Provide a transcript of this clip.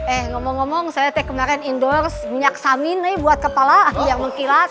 eh ngomong ngomong saya teh kemarin endorse minyak samin eh buat kepala yang mengkilat